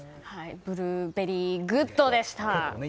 ブルーベリーグッドでした。